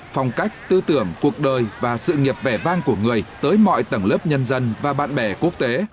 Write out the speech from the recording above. phong cách tư tưởng cuộc đời và sự nghiệp vẻ vang của người tới mọi tầng lớp nhân dân và bạn bè quốc tế